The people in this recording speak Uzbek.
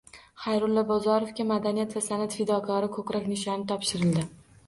Xayrullo Bozorovga “Madaniyat va san’at fidokori” ko‘krak nishoni topshirildi